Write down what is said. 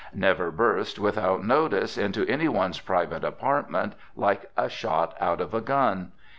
Never burst, without notice, into any one's private apartment like a shot out of a gun.